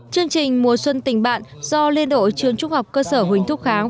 chương trình mùa xuân tình bạn do liên đội trường trung học cơ sở huỳnh thúc kháng